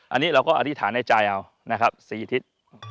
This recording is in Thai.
อันนี้เราก็อธิษฐานในใจเอานะครับ๔ทิศ